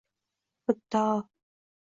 muddao!